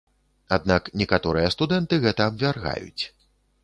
Аднак некаторыя студэнты гэта абвяргаюць.